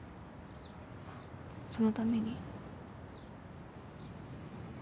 そのために。